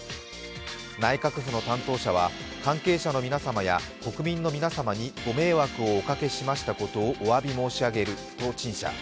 内閣府の担当者は関係者の皆様や国民の皆様にご迷惑をおかけしましたことをお詫び申し上げると陳謝。